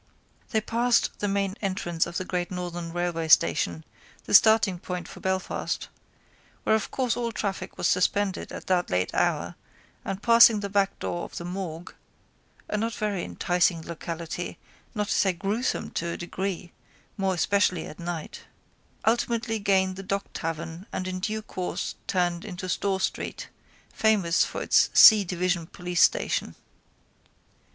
They passed the main entrance of the Great Northern railway station, the starting point for Belfast, where of course all traffic was suspended at that late hour and passing the backdoor of the morgue (a not very enticing locality, not to say gruesome to a degree, more especially at night) ultimately gained the Dock Tavern and in due course turned into Store street, famous for its C division police station.